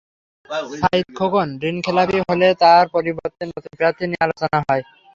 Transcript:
সাঈদ খোকন ঋণখেলাপি হলে তাঁর পরিবর্তে নতুন প্রার্থী নিয়ে আলোচনা হয়।